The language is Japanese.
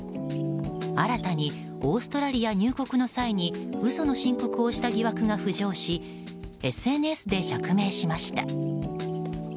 新たにオーストラリア入国の際に嘘の申告をした疑惑が浮上しＳＮＳで釈明しました。